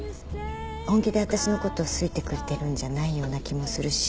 本気で私のこと好いてくれてるんじゃないような気もするし。